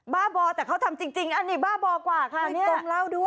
บ้าบอแต่เขาทำจริงอันนี้บ้าบอกว่าค่ะ